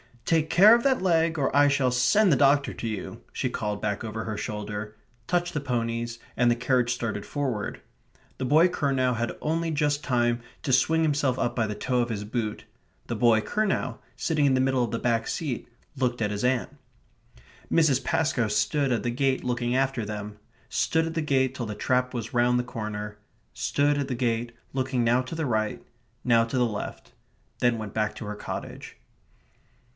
"Take care of that leg, or I shall send the doctor to you," she called back over her shoulder; touched the ponies; and the carriage started forward. The boy Curnow had only just time to swing himself up by the toe of his boot. The boy Curnow, sitting in the middle of the back seat, looked at his aunt. Mrs. Pascoe stood at the gate looking after them; stood at the gate till the trap was round the corner; stood at the gate, looking now to the right, now to the left; then went back to her cottage.